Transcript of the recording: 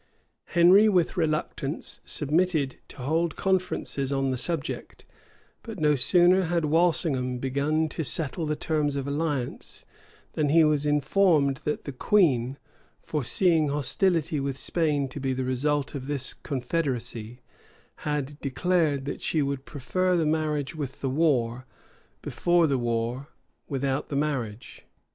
[] Henry with reluctance submitted to hold conferences on that subject; but no sooner had Walsingham begun to settle the terms of alliance, than he was informed, that the queen, foreseeing hostility with Spain to be the result of this confederacy, had declared that she would prefer the marriage with the war, before the war without the marriage.